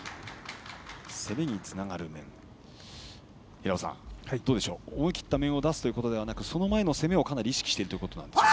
平尾さん、思い切った面を出すということではなくその前の攻めをかなり意識しているということですか。